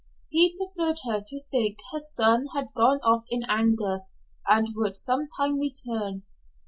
He preferred her to think her son had gone off in anger and would sometime return.